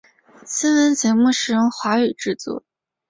新闻节目使用华语制作。